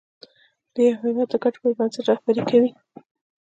د یو هېواد د ګټو پر بنسټ رهبري کوي.